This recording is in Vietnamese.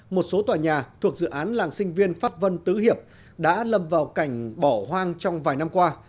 một số tòa nhà thuộc dự án làng sinh viên pháp vân tứ hiệp đã lâm vào cảnh bỏ hoang trong vài năm qua